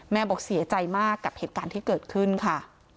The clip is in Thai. บอกเสียใจมากกับเหตุการณ์ที่เกิดขึ้นค่ะ